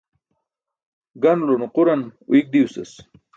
Ganulo nuquran uiyk diwsas.